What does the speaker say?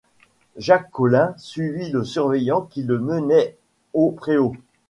Jacques Collin suivit le surveillant qui le menait au préau.